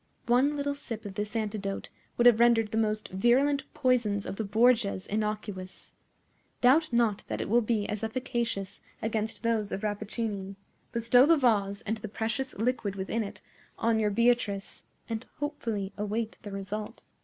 One little sip of this antidote would have rendered the most virulent poisons of the Borgias innocuous. Doubt not that it will be as efficacious against those of Rappaccini. Bestow the vase, and the precious liquid within it, on your Beatrice, and hopefully await the result."